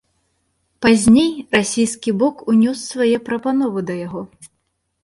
Пазней расійскі бок ўнёс свае прапановы да яго.